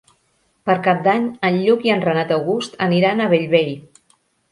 Per Cap d'Any en Lluc i en Renat August aniran a Bellvei.